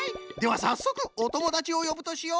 さっそくおともだちをよぶとしよう。